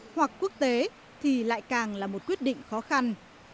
hoặc quốc tế thì lại càng là một quyết định khó khăn